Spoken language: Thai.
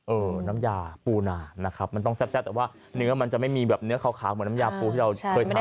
น้ำยาปูนานะครับมันต้องแซ่บแต่ว่าเนื้อมันจะไม่มีแบบเนื้อขาวเหมือนน้ำยาปูที่เราเคยทำ